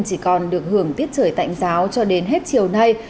chỉ còn được hưởng tiết trời tạnh giáo cho đến hết chiều nay